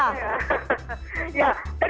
apakah itu mitos atau faktor